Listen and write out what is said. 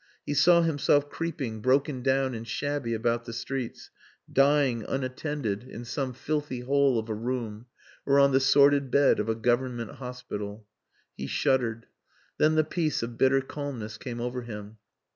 He saw himself creeping, broken down and shabby, about the streets dying unattended in some filthy hole of a room, or on the sordid bed of a Government hospital. He shuddered. Then the peace of bitter calmness came over him.